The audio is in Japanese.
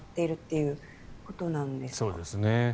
そうですね。